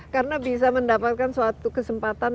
karena bisa mendapatkan suatu kesempatan